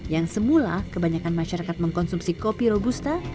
yang semula kebanyakan masyarakat mengkonsumsi kopi robusta